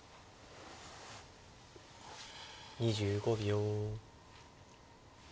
２５秒。